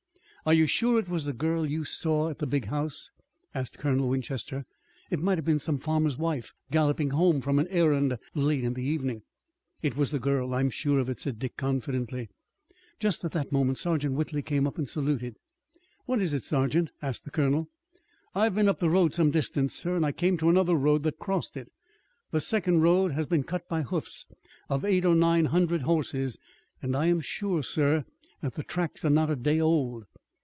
"Are you sure it was the girl you saw at the big house?" asked Colonel Winchester. "It might have been some farmer's wife galloping home from an errand late in the evening." "It was the girl. I am sure of it," said Dick confidently. Just at that moment Sergeant Whitley came up and saluted. "What is it, sergeant?" asked the Colonel. "I have been up the road some distance, sir, and I came to another road that crossed it. The second road has been cut by hoofs of eight or nine hundred horses, and I am sure, sir, that the tracks are not a day old."